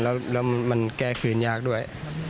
แล้วมันแก้คืนยากด้วย